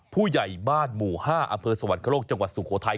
ผู้ใหญ่บ้านหมู่๕อำเภอสวรรคโลกจังหวัดสุโขทัย